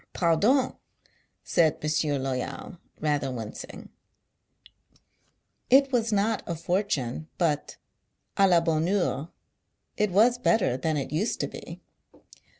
Pardon ! said Mon sieur Loyal, rather wincing. It was not a for tune, but —& la bonne heure — it was better than it used to be